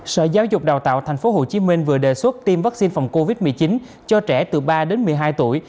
sở giáo dục đào tạo thành phố hồ chí minh vừa đề xuất tiêm vaccine phòng covid một mươi chín cho trẻ từ ba đến một mươi hai tuổi